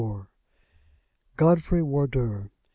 GODFREY WARDOUR.